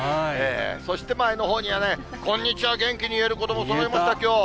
そして、前のほうには、こんにちは、元気に言える子、そろいました。